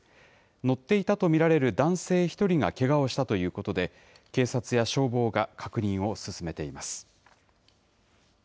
乗っていたと見られる男性１人がけがをしたということで、警察や消防が確認を進めています。